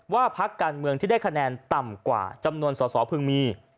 พักการเมืองที่ได้คะแนนต่ำกว่าจำนวนสอสอพึงมี